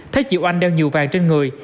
thấy chị oanh đeo nhiều vàng trên người